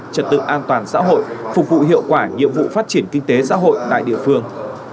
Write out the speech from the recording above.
trật tự an toàn xã hội phục vụ hiệu quả nhiệm vụ phát triển kinh tế xã hội tại địa phương